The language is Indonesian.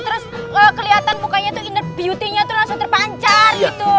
terus kelihatan mukanya tuh inner beauty nya tuh langsung terpancar gitu